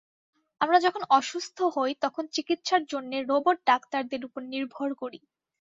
আমরা যখন অসুস্থ হই তখন চিকিৎসার জন্যে রোবট ডাক্তারদের উপর নির্ভর করি।